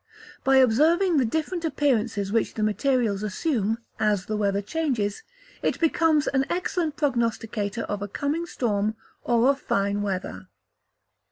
By observing the different appearances which the materials assume, as the weather changes, it becomes an excellent prognosticator of a coming storm or of fine weather.